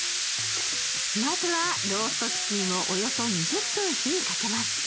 まずはローストチキンをおよそ２０分火にかけます。